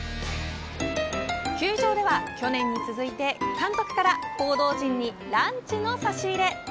球場では、去年に続いて監督から報道陣にランチの差し入れ。